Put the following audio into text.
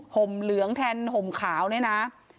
ห่มเหลืองแทนห่มขาวเนี่ยนะ